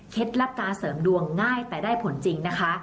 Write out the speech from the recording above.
ลับการเสริมดวงง่ายแต่ได้ผลจริงนะคะ